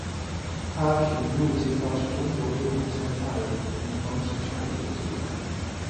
哈平路街道是中国黑龙江省哈尔滨市香坊区下辖的一个街道。